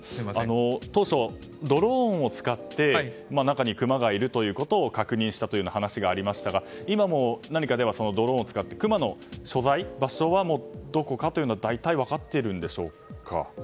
当初、ドローンを使って中にクマがいるということを確認したという話がありましたが今もドローンを使ってクマの所在、場所はどこかというのは大体分かっているんでしょうか。